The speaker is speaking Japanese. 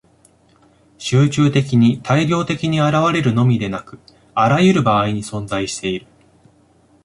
集中的に大量的に現れるのみでなく、あらゆる場合に存在している。